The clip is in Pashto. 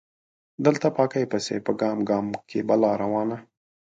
دلته پاکۍ پسې په ګام ګام کې بلا روانه